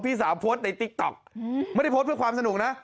พี่สาวโพสต์ในติ๊กต๊อกไม่ได้โพสต์เพื่อความสนุกนะ